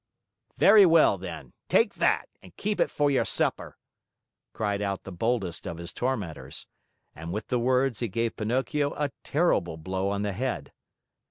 "Very well, then! Take that, and keep it for your supper," called out the boldest of his tormentors. And with the words, he gave Pinocchio a terrible blow on the head.